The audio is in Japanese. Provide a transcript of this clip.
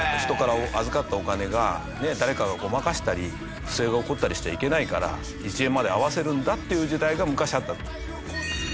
人から預かったお金が誰かがごまかしたり不正が起こったりしちゃいけないから１円まで合わせるんだっていう時代が昔あった。